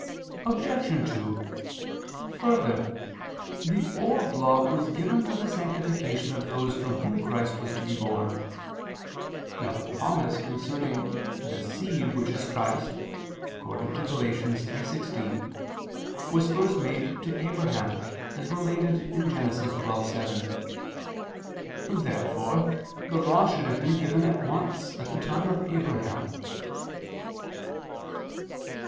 Obj. 2: Further, the Old Law was given for the sanctification of those from whom Christ was to be born. Now the promise concerning the "seed, which is Christ" (Gal. 3:16) was first made to Abraham, as related in Gen. 12:7. Therefore the Law should have been given at once at the time of Abraham.